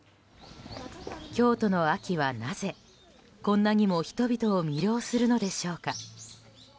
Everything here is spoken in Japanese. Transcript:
京都の秋はなぜ、こんなにも人々を魅了するのでしょうか。